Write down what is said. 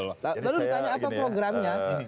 lalu ditanya apa programnya